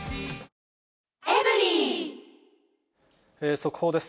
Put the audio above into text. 速報です。